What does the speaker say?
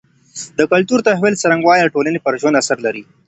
د کلتور د تحول څرنګوالی د ټولني پر ژوند اثر لري.